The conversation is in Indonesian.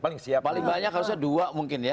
paling banyak harusnya dua mungkin ya